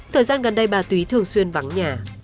thời gian gần đây bà túy thường xuyên vắng nhà